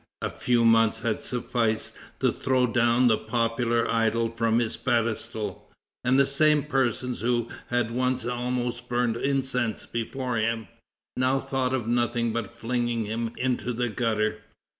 A few months had sufficed to throw down the popular idol from his pedestal, and the same persons who had once almost burned incense before him, now thought of nothing but flinging him into the gutter.